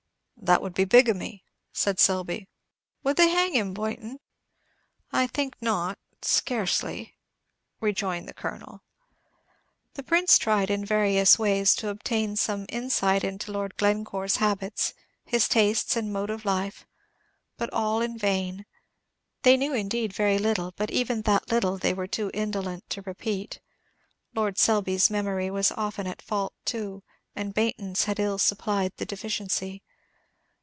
"That would be bigamy," said Selby. "Would they hang him, Baynton?" "I think not, scarcely," rejoined the Colonel. The Prince tried in various ways to obtain some insight into Lord Glencore's habits, his tastes and mode of life, but all in vain. They knew, indeed, very little, but even that little they were too indolent to repeat. Lord Selby's memory was often at fault, too, and Baynton's had ill supplied the deficiency.